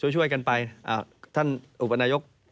ช่วยกันไปท่านอุปนายก